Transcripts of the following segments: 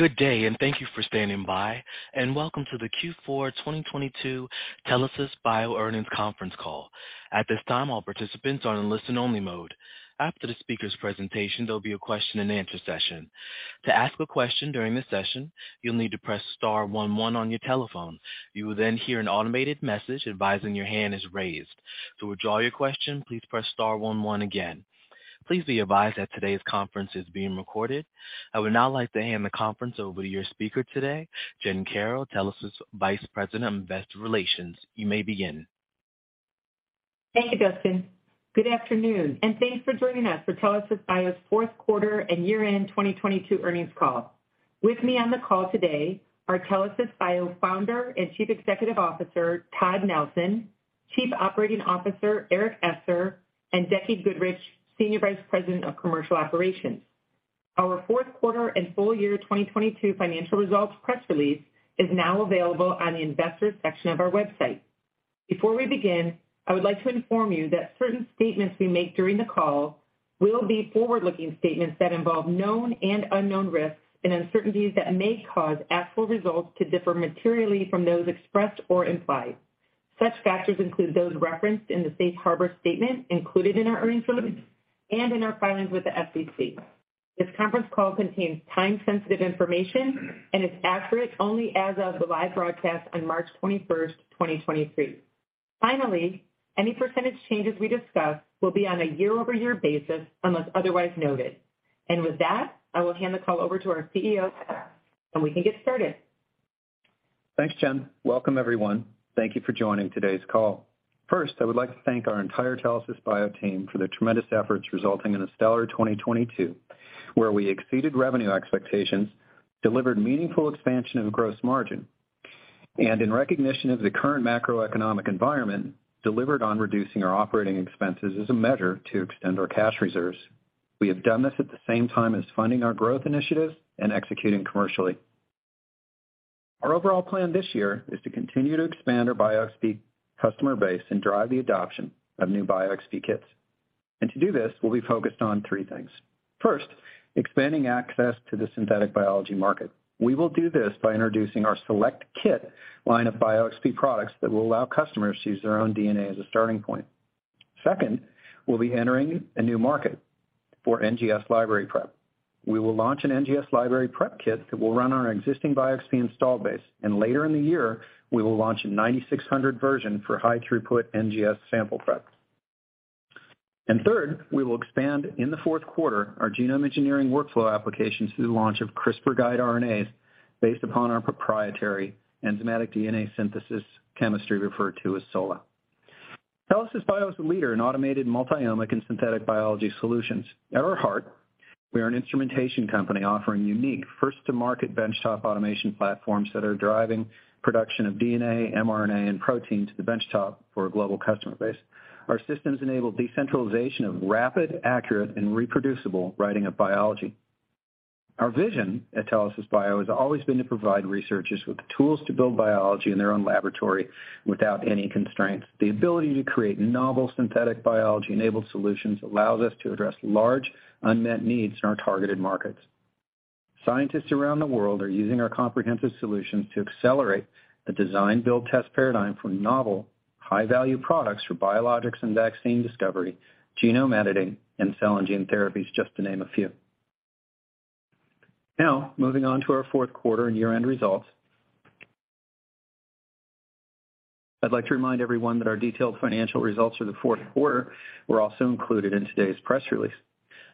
Good day, thank you for standing by, and welcome to the Q4 2022 Telesis Bio Earnings conference call. At this time, all participants are in listen only mode. After the speaker's presentation, there'll be a question and answer session. To ask a question during the session, you'll need to press star one, one on your telephone. You will then hear an automated message advising your hand is raised. To withdraw your question, please press star, one, one again. Please be advised that today's conference is being recorded. I would now like to hand the conference over to your speaker today, Jen Carroll, Telesis Vice President of Investor Relations. You may begin. Thank you, Dustin. Good afternoon, thanks for joining us for Telesis Bio's Q4 and year-end 2022 earnings call. With me on the call today are Telesis Bio founder and Chief Executive Officer, Todd Nelson, Chief Operating Officer Eric Esser, and Becky Goodrich, Senior Vice President of Commercial Operations. Our Q4 and full year 2022 financial results press release is now available on the investors section of our website. Before we begin, I would like to inform you that certain statements we make during the call will be forward-looking statements that involve known and unknown risks and uncertainties that may cause actual results to differ materially from those expressed or implied. Such factors include those referenced in the safe harbor statement included in our earnings release and in our filings with the SEC. This conference call contains time-sensitive information and is accurate only as of the live broadcast on March 21st, 2023. Finally, any percentage changes we discuss will be on a year-over-year basis unless otherwise noted. With that, I will hand the call over to our CEO, and we can get started. Thanks, Jen. Welcome, everyone. Thank you for joining today's call. First, I would like to thank our entire Telesis Bio team for their tremendous efforts resulting in a stellar 2022, where we exceeded revenue expectations, delivered meaningful expansion of gross margin, and in recognition of the current macroeconomic environment, delivered on reducing our operating expenses as a measure to extend our cash reserves. We have done this at the same time as funding our growth initiatives and executing commercially. Our overall plan this year is to continue to expand our BioXp customer base and drive the adoption of new BioXp kits. To do this, we'll be focused on three things. First, expanding access to the synthetic biology market. We will do this by introducing our Select Kit line of BioXp products that will allow customers to use their own DNA as a starting point. We'll be entering a new market for NGS library prep. We will launch an NGS library prep kit that will run on our existing BioXp install base, and later in the year, we will launch a 9600 version for high throughput NGS sample prep. Third, we will expand in the Q4 our genome engineering workflow applications through the launch of CRISPR guide RNAs based upon our proprietary enzymatic DNA synthesis chemistry referred to as SOLA. Telesis Bio is a leader in automated multi-omic and synthetic biology solutions. At our heart, we are an instrumentation company offering unique first to market benchtop automation platforms that are driving production of DNA, mRNA, and protein to the benchtop for a global customer base. Our systems enable decentralization of rapid, accurate, and reproducible writing of biology. Our vision at Telesis Bio has always been to provide researchers with the tools to build biology in their own laboratory without any constraints. The ability to create novel synthetic biology-enabled solutions allows us to address large unmet needs in our targeted markets. Scientists around the world are using our comprehensive solutions to accelerate the design build test paradigm for novel high-value products for biologics and vaccine discovery, genome editing, and cell and gene therapies, just to name a few. Moving on to our Q4 and year-end results. I'd like to remind everyone that our detailed financial results for the Q4 were also included in today's press release.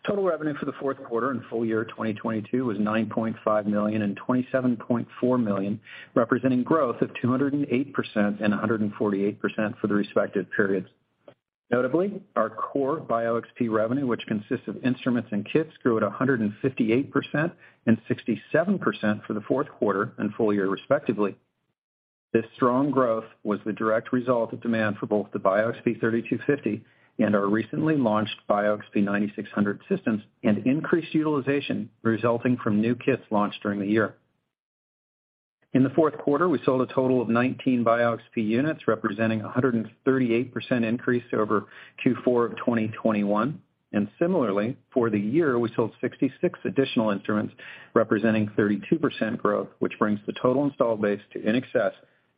Total revenue for the Q4 and full year 2022 was $9.5 million and $27.4 million, representing growth of 208% and 148% for the respective periods. Notably, our core BioXp revenue, which consists of instruments and kits, grew at 158% and 67% for the Q4 and full year respectively. This strong growth was the direct result of demand for both the BioXp 3250 and our recently launched BioXp 9600 systems and increased utilization resulting from new kits launched during the year. In the Q4, we sold a total of 19 BioXp units, representing a 138% increase over Q4 of 2021. Similarly, for the year, we sold 66 additional instruments, representing 32% growth, which brings the total installed base to in excess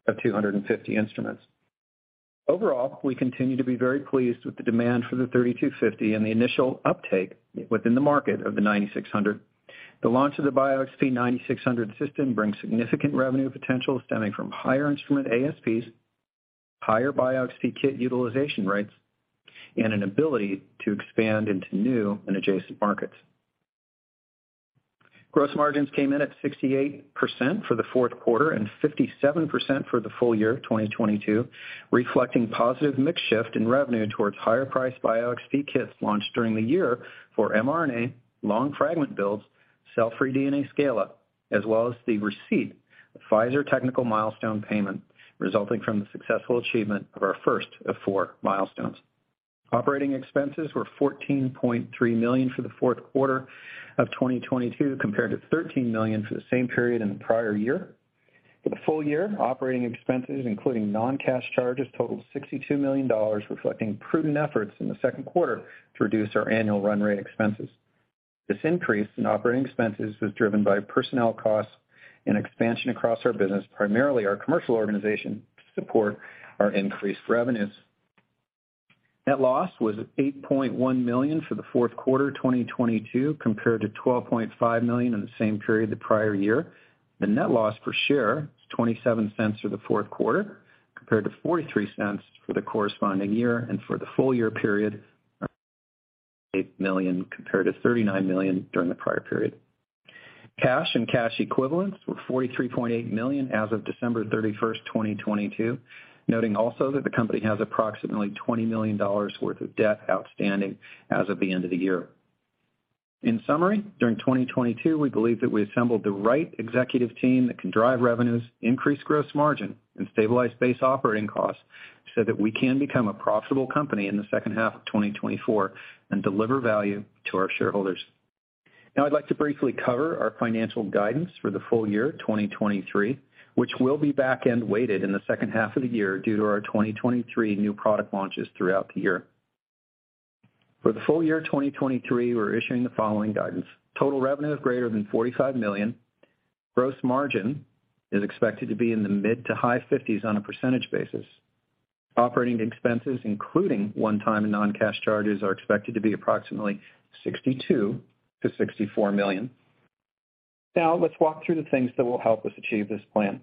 of 250 instruments. Overall, we continue to be very pleased with the demand for the 3250 and the initial uptake within the market of the 9600. The launch of the BioXp 9600 system brings significant revenue potential stemming from higher instrument ASPs, higher BioXp kit utilization rates, and an ability to expand into new and adjacent markets. Gross margins came in at 68% for the Q4 and 57% for the full year of 2022, reflecting positive mix shift in revenue towards higher-priced BioXp kits launched during the year for mRNA, long fragment builds, cell-free DNA scale-up, as well as the receipt of Pfizer technical milestone payment resulting from the successful achievement of our first of four milestones. Operating expenses were $14.3 million for the Q4 of 2022 compared to $13 million for the same period in the prior year. For the full year, operating expenses, including non-cash charges, totaled $62 million, reflecting prudent efforts in the Q2 to reduce our annual run rate expenses. This increase in operating expenses was driven by personnel costs and expansion across our business, primarily our commercial organization, to support our increased revenues. Net loss was $8.1 million for the Q4 2022 compared to $12.5 million in the same period the prior year. The net loss per share was $0.27 for the Q4 compared to $0.43 for the corresponding year and for the full year period, $8 million compared to $39 million during the prior period. Cash and cash equivalents were $43.8 million as of December 31st, 2022. Noting also that the company has approximately $20 million worth of debt outstanding as of the end of the year. In summary, during 2022, we believe that we assembled the right executive team that can drive revenues, increase gross margin, and stabilize base operating costs so that we can become a profitable company in the second half of 2024 and deliver value to our shareholders. I'd like to briefly cover our financial guidance for the full year 2023, which will be back-end weighted in the second half of the year due to our 2023 new product launches throughout the year. For the full year 2023, we're issuing the following guidance. Total revenue is greater than $45 million. Gross margin is expected to be in the mid to high 50s on a percentage basis. Operating expenses, including one-time and non-cash charges, are expected to be approximately $62 millio to $64 million. Let's walk through the things that will help us achieve this plan.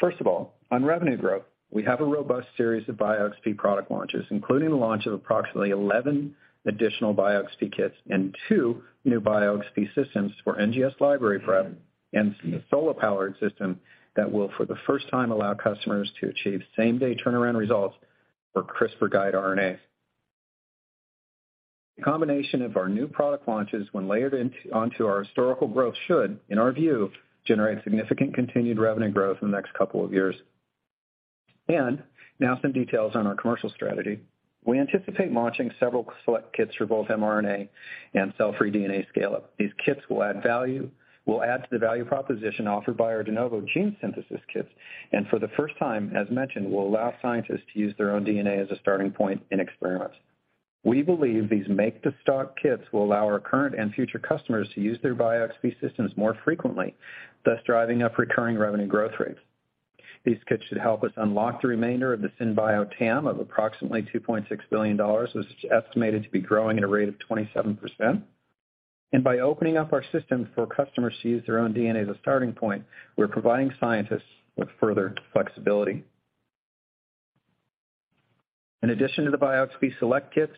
First of all, on revenue growth, we have a robust series of BioXp product launches, including the launch of approximately 11 additional BioXp kits and two new BioXp systems for NGS library prep and the SOLA-powered system that will, for the first time, allow customers to achieve same-day turnaround results for CRISPR guide RNAs. The combination of our new product launches when layered onto our historical growth should, in our view, generate significant continued revenue growth in the next couple of years. Now some details on our commercial strategy. We anticipate launching several select kits for both mRNA and cell-free DNA scale-up. These kits will add to the value proposition offered by our de novo gene synthesis kits, and for the first time, as mentioned, will allow scientists to use their own DNA as a starting point in experiments. We believe these make-to-stock kits will allow our current and future customers to use their BioXp systems more frequently, thus driving up recurring revenue growth rates. These kits should help us unlock the remainder of the synbio TAM of approximately $2.6 billion, which is estimated to be growing at a rate of 27%. By opening up our system for customers to use their own DNA as a starting point, we're providing scientists with further flexibility. In addition to the BioXp select kit,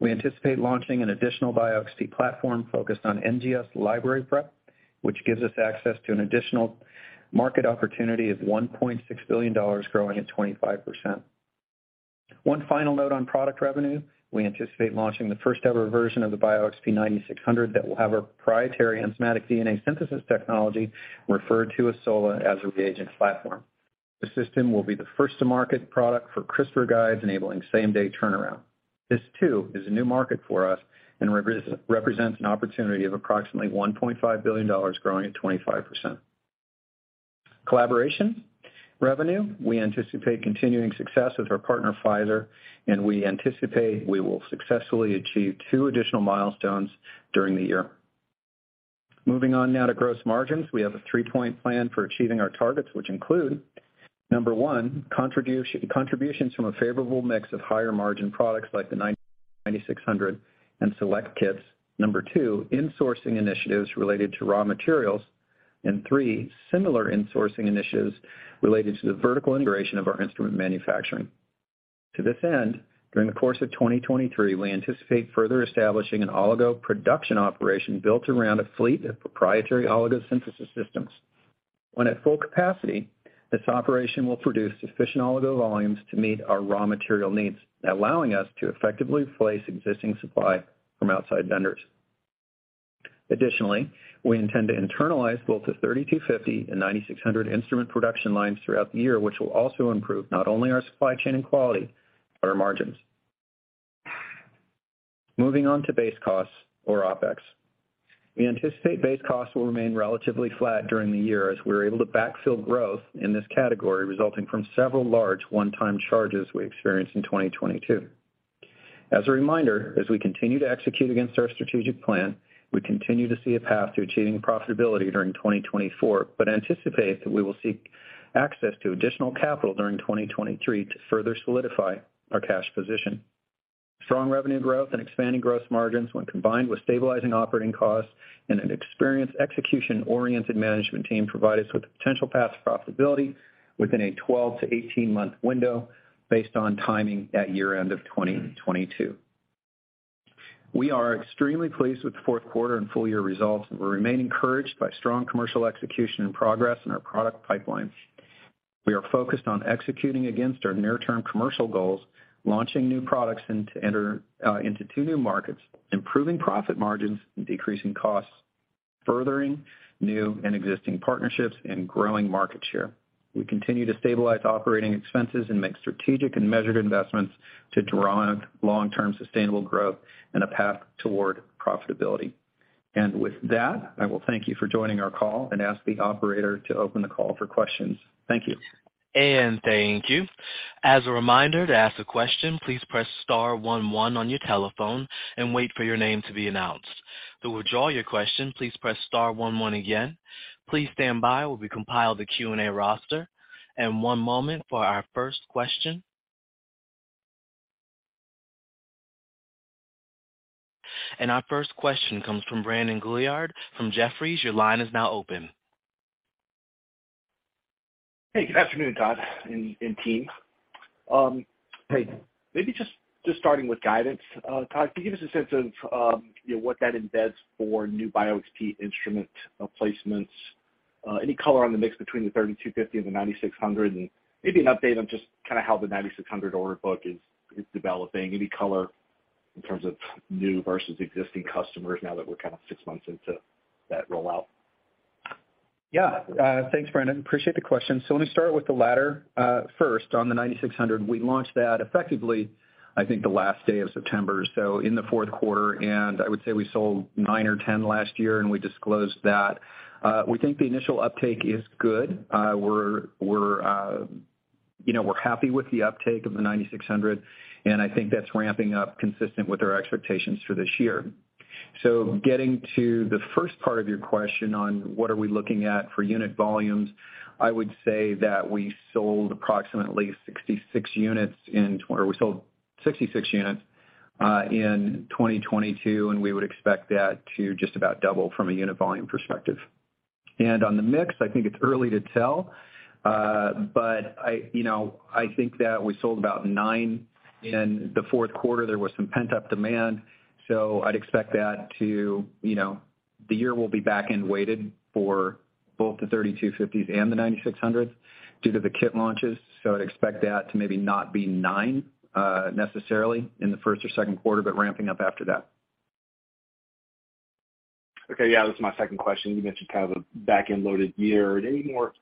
we anticipate launching an additional BioXp platform focused on NGS library prep, which gives us access to an additional market opportunity of $1.6 billion growing at 25%. One final note on product revenue, we anticipate launching the first-ever version of the BioXp 9600 that will have our proprietary enzymatic DNA synthesis technology referred to as SOLA as a reagent platform. The system will be the first to market product for CRISPR guide RNAs, enabling same-day turnaround. This too is a new market for us and represents an opportunity of approximately $1.5 billion growing at 25%. Collaboration revenue, we anticipate continuing success with our partner Pfizer, and we anticipate we will successfully achieve two additional milestones during the year. Moving on now to gross margins, we have a three point plan for achieving our targets, which include, number one, contributions from a favorable mix of higher-margin products like the 9600 and select kits. Number two, insourcing initiatives related to raw materials. And three, similar insourcing initiatives related to the vertical integration of our instrument manufacturing. To this end, during the course of 2023, we anticipate further establishing an oligo production operation built around a fleet of proprietary oligo synthesis systems. When at full capacity, this operation will produce sufficient oligo volumes to meet our raw material needs, allowing us to effectively place existing supply from outside vendors. Additionally, we intend to internalize both the 3250 and 9600 instrument production lines throughout the year, which will also improve not only our supply chain and quality, but our margins. Moving on to base costs or OpEx. We anticipate base costs will remain relatively flat during the year as we're able to backfill growth in this category resulting from several large one-time charges we experienced in 2022. As a reminder, as we continue to execute against our strategic plan, we continue to see a path to achieving profitability during 2024, but anticipate that we will seek access to additional capital during 2023 to further solidify our cash position. Strong revenue growth and expanding gross margins when combined with stabilizing operating costs and an experienced execution-oriented management team provide us with a potential path to profitability within a 12- to 18-month window based on timing at year-end of 2022. We are extremely pleased with the Q4 and full year results, and we remain encouraged by strong commercial execution and progress in our product pipeline. We are focused on executing against our near-term commercial goals, launching new products into two new markets, improving profit margins, and decreasing costs, furthering new and existing partnerships, and growing market share. We continue to stabilize operating expenses and make strategic and measured investments to drive long-term sustainable growth and a path toward profitability. With that, I will thank you for joining our call and ask the operator to open the call for questions. Thank you. Thank you. As a reminder, to ask a question, please press star one one on your telephone and wait for your name to be announced. To withdraw your question, please press star one one again. Please stand by while we compile the Q&A roster. One moment for our first question. Our first question comes from Brandon Gilliard from Jefferies. Your line is now open. Hey, good afternoon, Todd and team. Hey, maybe just starting with guidance, Todd, can you give us a sense of, you know, what that embeds for new BioXp instrument, placements? Any color on the mix between the 3250 and the 9600? Maybe an update on just kinda how the 9600 order book is developing. Any color in terms of new versus existing customers now that we're kind of six months into that rollout. Thanks, Brandon. Appreciate the question. Let me start with the latter, first. On the 9600, we launched that effectively, I think, the last day of September, so in the Q4, and I would say we sold nine or 10 last year, and we disclosed that. We think the initial uptake is good. We're, you know, we're happy with the uptake of the 9600, and I think that's ramping up consistent with our expectations for this year. Getting to the first part of your question on what are we looking at for unit volumes, I would say that we sold approximately 66 units or we sold 66 units in 2022, and we would expect that to just about double from a unit volume perspective. On the mix, I think it's early to tell, but I, you know, I think that we sold about nine in the Q4. There was some pent-up demand, I'd expect that to, you know, the year will be back end weighted for both the BioXp 3250s and the BioXp 9600 due to the kit launches. I'd expect that to maybe not be nine, necessarily in the Q1 or Q2, but ramping up after that. Yeah, that was my second question. You mentioned kind of a back-end loaded year. Any more,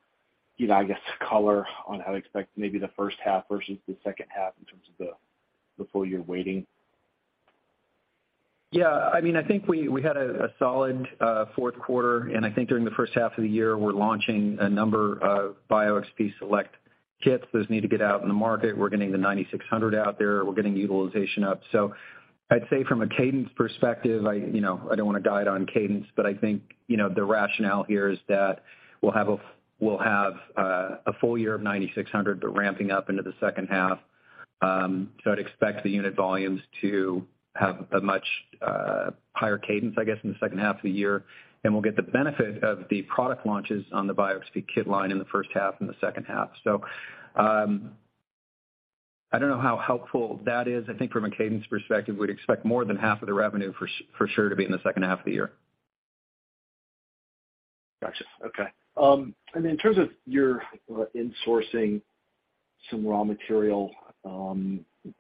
you know, I guess, color on how to expect maybe the first half versus the second half in terms of the full year waiting? Yeah. I mean, I think we had a solid Q4. I think during the first half of the year, we're launching a number of BioXp Select kits. Those need to get out in the market. We're getting the 9600 out there. We're getting utilization up. I'd say from a cadence perspective, I, you know, I don't wanna guide on cadence, but I think, you know, the rationale here is that we'll have a full year of 9600, ramping up into the second half. I'd expect the unit volumes to have a much higher cadence, I guess, in the second half of the year. We'll get the benefit of the product launches on the BioXp kit line in the first half and the second half. I don't know how helpful that is. I think from a cadence perspective, we'd expect more than half of the revenue for sure to be in the second half of the year. Gotcha. Okay. In terms of your, insourcing some raw material,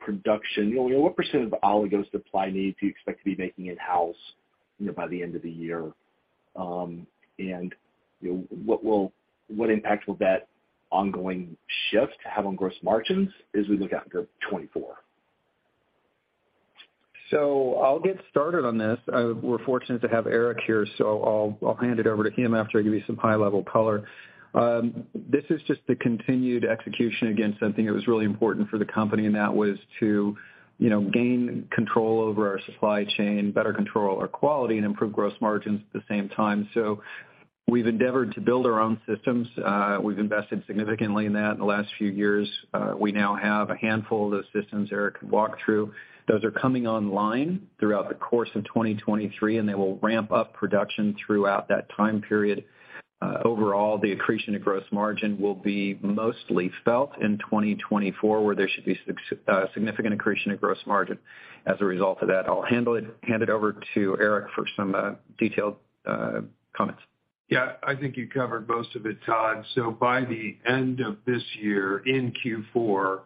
production, you know, what % of oligos supply needs do you expect to be making in-house, you know, by the end of the year? You know, what impact will that ongoing shift have on gross margins as we look out into 2024? I'll get started on this. We're fortunate to have Eric here, so I'll hand it over to him after I give you some high-level color. This is just the continued execution against something that was really important for the company, and that was to, you know, gain control over our supply chain, better control our quality, and improve gross margins at the same time. We've endeavored to build our own systems. We've invested significantly in that in the last few years. We now have a handful of those systems Eric can walk through. Those are coming online throughout the course of 2023, and they will ramp up production throughout that time period. Overall, the accretion of gross margin will be mostly felt in 2024, where there should be significant accretion of gross margin as a result of that. I'll hand it over to Eric for some detailed comments. Yeah. I think you covered most of it, Todd. By the end of this year, in Q4,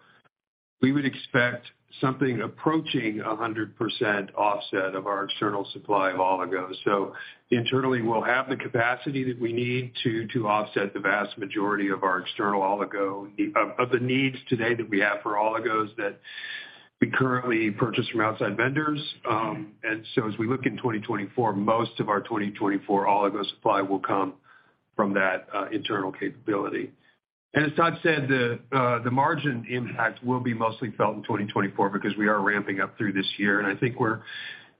we would expect something approaching 100% offset of our external supply of oligos. Internally, we'll have the capacity that we need to offset the vast majority of our external of the needs today that we have for oligos that we currently purchase from outside vendors. As we look in 2024, most of our 2024 oligo supply will come from that internal capability. As Todd said, the margin impact will be mostly felt in 2024 because we are ramping up through this year. And I think we're,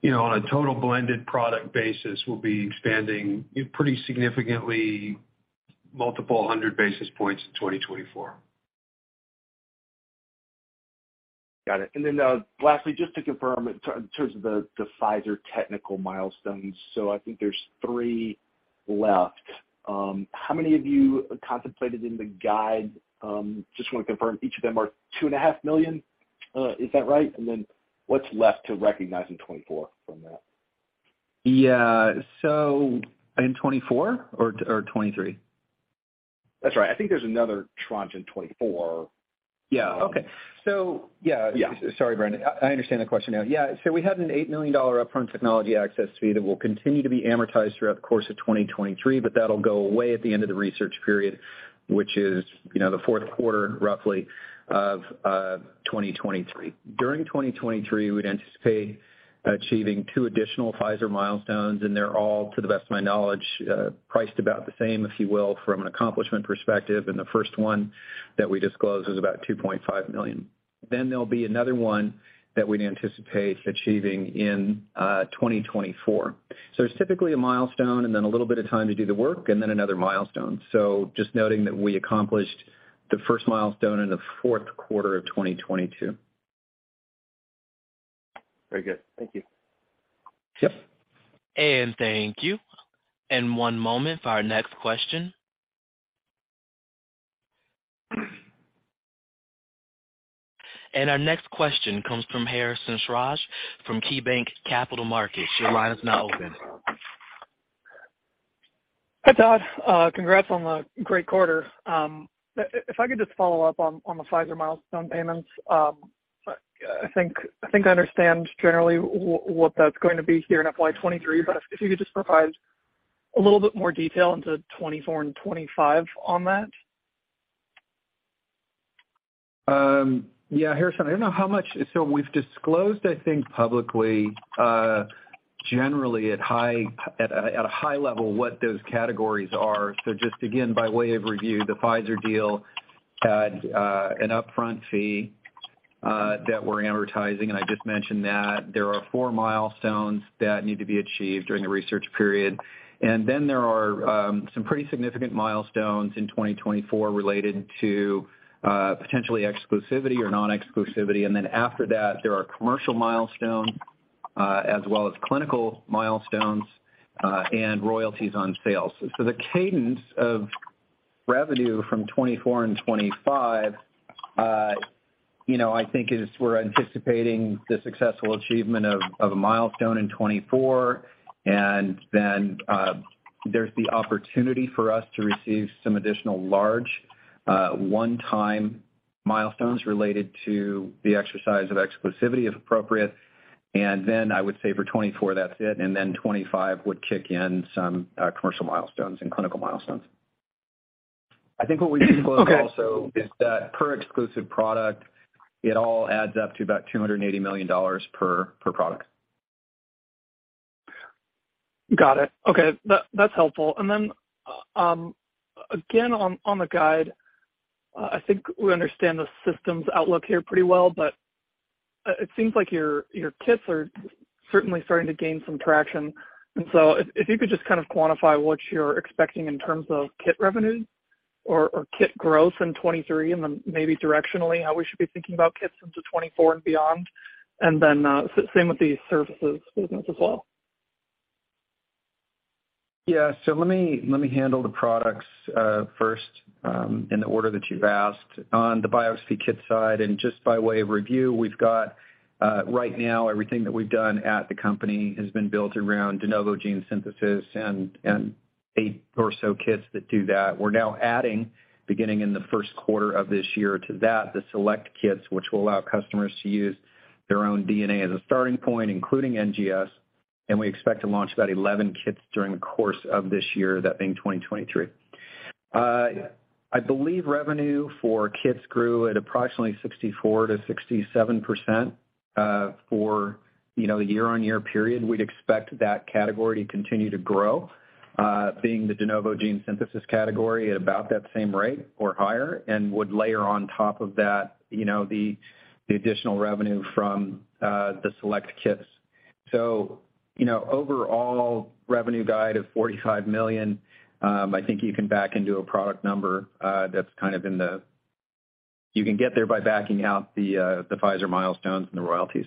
you know, on a total blended product basis, we'll be expanding pretty significantly multiple 100 basis points in 2024. Got it. Lastly, just to confirm in terms of the Pfizer technical milestones, so I think there's three left. How many have you contemplated in the guide? Just wanna confirm each of them are $2.5 million. Is that right? What's left to recognize in 2024 from that? Yeah. So in 2024 or 2023? That's right. I think there's another tranche in 2024. Yeah. Okay. Yeah, sorry, Brandon. I understand the question now. Yeah. We had an $8 million upfront technology access fee that will continue to be amortized throughout the course of 2023, but that'll go away at the end of the research period, which is, you know, the Q4 roughly of 2023. During 2023, we'd anticipate achieving two additional Pfizer milestones, they're all, to the best of my knowledge, priced about the same, if you will, from an accomplishment perspective, and the first one that we disclosed was about $2.5 million. There'll be another one that we'd anticipate achieving in 2024. It's typically a milestone and then a little bit of time to do the work and then another milestone. Just noting that we accomplished the first milestone in the Q4 of 2022. Very good. Thank you. Yep. Thank you. One moment for our next question. Our next question comes from Harrison Raj from KeyBanc Capital Markets. Your line is now open. Hi, Todd. Congrats on the great quarter. If I could just follow up on the Pfizer milestone payments. I think I understand generally what that's going to be here in FY 2023, but if you could just provide a little bit more detail into 2024 and 2025 on that. Yeah, Harrison, I don't know how much. We've disclosed, I think, publicly, generally at a high level, what those categories are. Just again, by way of review, the Pfizer deal had an upfront fee that we're amortizing, and I just mentioned that there are four milestones that need to be achieved during the research period. Then there are some pretty significant milestones in 2024 related to potentially exclusivity or non-exclusivity. Then after that, there are commercial milestones, as well as clinical milestones, and royalties on sales. The cadence of revenue from 2024 and 2025, you know, I think is we're anticipating the successful achievement of a milestone in 2024. Then, there's the opportunity for us to receive some additional large, one-time milestones related to the exercise of exclusivity, if appropriate. Then I would say for 2024, that's it, and then 2025 would kick in some commercial milestones and clinical milestones. I think what we disclosed also is that per exclusive product, it all adds up to about $280 million per product. Got it. Okay. That's helpful. Again, on the guide, I think we understand the systems outlook here pretty well, but it seems like your kits are certainly starting to gain some traction. If you could just kind of quantify what you're expecting in terms of kit revenue or kit growth in 2023 and then maybe directionally, how we should be thinking about kits into 2024 and beyond, and then, same with the services business as well. Yeah. Let me handle the products first, in the order that you've asked. On the BioXp kit side, and just by way of review, we've got right now, everything that we've done at the company has been built around de novo gene synthesis and eight or so kits that do that. We're now adding, beginning in the Q1 of this year to that, the select kits, which will allow customers to use their own DNA as a starting point, including NGS, and we expect to launch about 11 kits during the course of this year, that being 2023. I believe revenue for kits grew at approximately 64%-67% for, you know, a year-on-year period. We'd expect that category to continue to grow, being the de novo gene synthesis category at about that same rate or higher, and would layer on top of that, you know, the additional revenue from the select kits. You know, overall revenue guide of $45 million, I think you can back into a product number that's kind of in the. You can get there by backing out the Pfizer milestones and the royalties.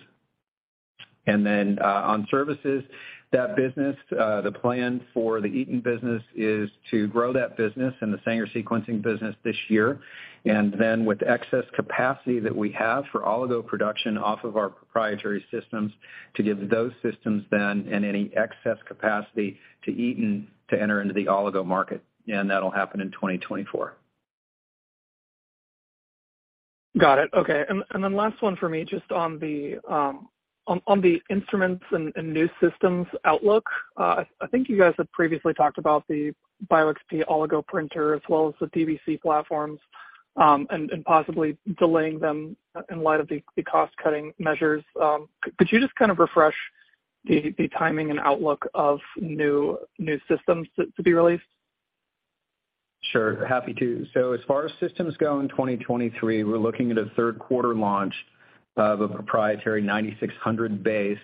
On services, that business, the plan for the Eton business is to grow that business in the Sanger sequencing business this year. With excess capacity that we have for oligo production off of our proprietary systems to give those systems then and any excess capacity to Eton to enter into the oligo market, and that'll happen in 2024. Got it. Okay. Then last one for me, just on the instruments and new systems outlook. I think you guys have previously talked about the BioXp Oligo Printer as well as the DBC platforms, and possibly delaying them in light of the cost-cutting measures. Could you just kind of refresh the timing and outlook of new systems to be released? Sure. Happy to. As far as systems go in 2023, we're looking at a Q3 launch of a proprietary 9600 based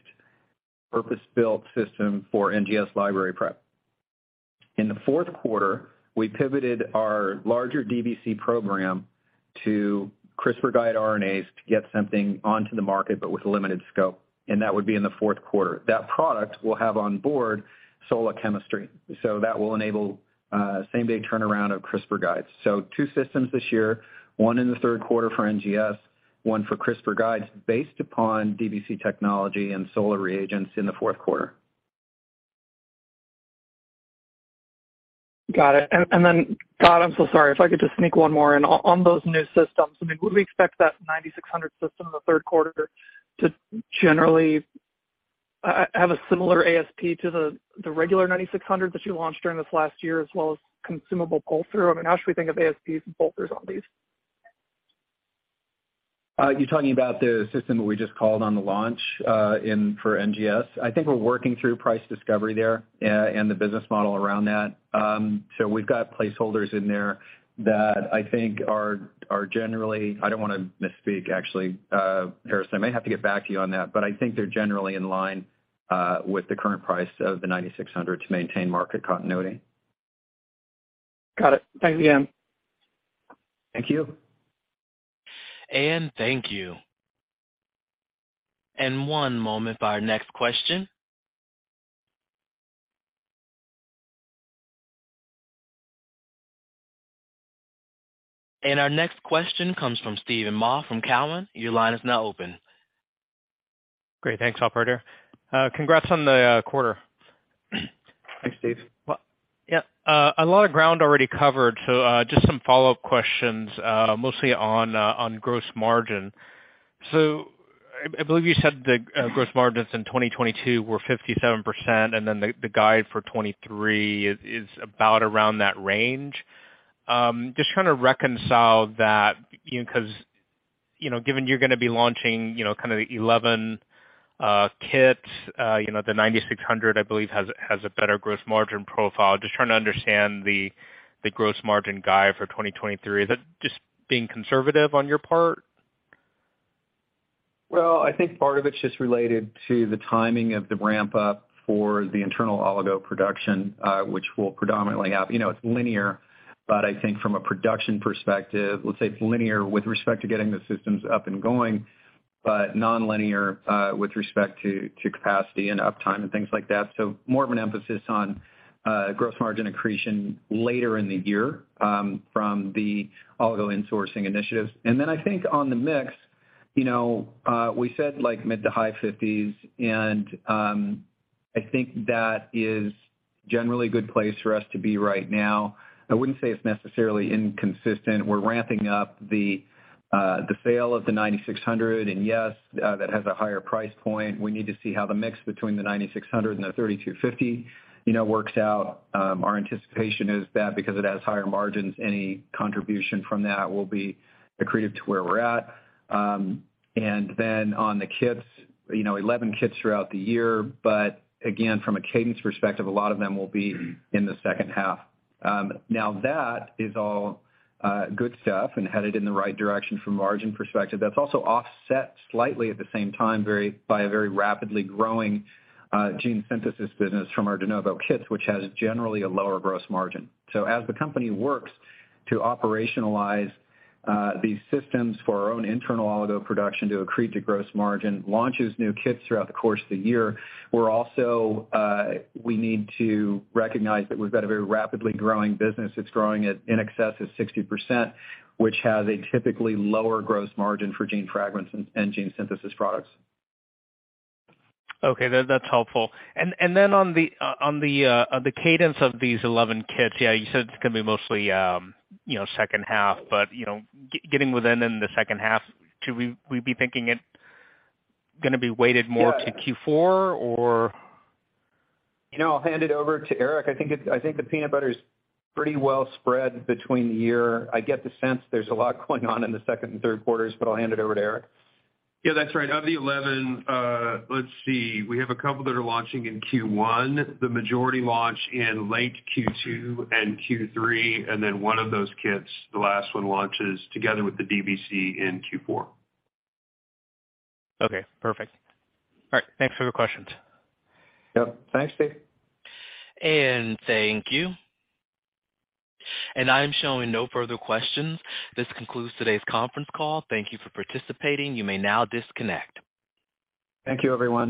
purpose-built system for NGS library prep. In the Q4, we pivoted our larger DBC program to CRISPR guide RNAs to get something onto the market, but with a limited scope, and that would be in the Q4. That product will have on board SOLA chemistry. That will enable same-day turnaround of CRISPR guides. Two systems this year, one in the Q3 for NGS, one for CRISPR guides based upon DBC technology and SOLA reagents in the Q4. Got it. And then Todd, I'm so sorry if I could just sneak one more in. On those new systems, I mean, would we expect that 9600 system in the Q3 to generally have a similar ASP to the regular 9600 that you launched during this last year as well as consumable pull-through? I mean, how should we think of ASPs and pull-throughs on these? You're talking about the system that we just called on the launch for NGS. I think we're working through price discovery there and the business model around that. We've got placeholders in there that I think are generally. I don't wanna misspeak actually, Harrison, I might have to get back to you on that, but I think they're generally in line with the current price of the 9600 to maintain market continuity. Got it. Thanks again. Thank you. Thank you. One moment for our next question. Our next question comes from Steven Ma from Cowen. Your line is now open. Great. Thanks, operator. Congrats on the quarter. Thanks, Steve. Yeah, a lot of ground already covered, so, just some follow-up questions, mostly on gross margin. I believe you said the gross margins in 2022 were 57%, and then the guide for 2023 is about around that range. Just trying to reconcile that, you know, 'cause, you know, given you're gonna be launching, you know, kind of the 11 kits, you know, the 9600, I believe has a better gross margin profile. Just trying to understand the gross margin guide for 2023. Is that just being conservative on your part? I think part of it's just related to the timing of the ramp up for the internal oligo production, which will predominantly have. You know, it's linear, but I think from a production perspective, let's say it's linear with respect to getting the systems up and going, but non-linear with respect to capacity and uptime and things like that. More of an emphasis on gross margin accretion later in the year from the oligo insourcing initiatives. Then I think on the mix, you know, we said like mid to high 50s% and I think that is generally a good place for us to be right now. I wouldn't say it's necessarily inconsistent. We're ramping up the sale of the 9600, and yes, that has a higher price point. We need to see how the mix between the 9600 and the 3250 works out. Our anticipation is that because it has higher margins, any contribution from that will be accretive to where we're at. On the kits, 11 kits throughout the year, but again, from a cadence perspective, a lot of them will be in the second half. That is all good stuff and headed in the right direction from margin perspective. That's also offset slightly at the same time by a very rapidly growing gene synthesis business from our de novo kits, which has generally a lower gross margin. As the company works to operationalize these systems for our own internal oligo production to accrete the gross margin, launches new kits throughout the course of the year. We're also, we need to recognize that we've got a very rapidly growing business. It's growing at in excess of 60%, which has a typically lower gross margin for gene fragments and gene synthesis products. Okay. That's helpful. Then on the cadence of these 11 kits, yeah, you said it's gonna be mostly, you know, second half, but, you know, within in the second half, should we be thinking it gonna be weighted more to Q4 or? You know, I'll hand it over to Eric. I think the peanut butter is pretty well spread between the year. I get the sense there's a lot going on in the Q2 and Q3s. I'll hand it over to Eric. Yeah, that's right. Of the 11, let's see, we have a couple that are launching in Q1, the majority launch in late Q2 and Q3, and then one of those kits, the last one, launches together with the DBC in Q4. Okay, perfect. All right. Thanks for the questions. Yep. Thanks, Steve. Thank you. I'm showing no further questions. This concludes today's conference call. Thank you for participating. You may now disconnect. Thank you, everyone.